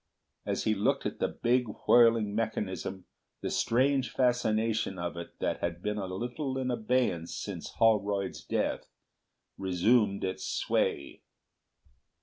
As he looked at the big whirling mechanism the strange fascination of it that had been a little in abeyance since Holroyd's death, resumed its sway.